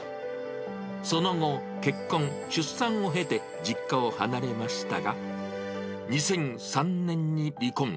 その後、結婚、出産を経て、実家を離れましたが、２００３年に離婚。